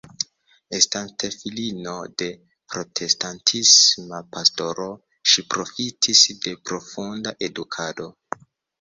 Estante filino de protestantisma pastoro ŝi profitis de profunda edukado.